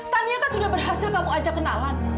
tania kan sudah berhasil kamu ajak kenalan